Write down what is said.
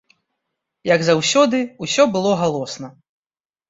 Як заўсёды, усё было галосна.